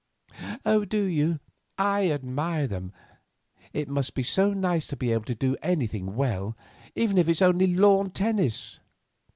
"Oh, do you? I admire them. It must be so nice to be able to do anything well, even if it's only lawn tennis.